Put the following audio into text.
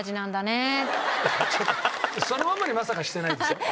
そのまんまにまさかしてないでしょ？